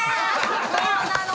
どうなの？